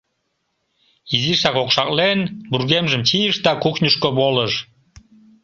Изишак окшаклен, вургемжым чийыш да кухньышко волыш.